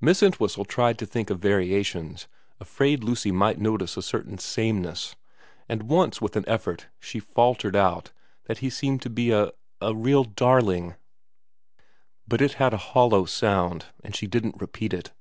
Miss Entwhistle tried to think of variations, afraid Lucy might notice a certain sameness, and once with an effort she faltered out that he seemed to be a a real darling ; but it had a hollow sound, and she didn't repeat it.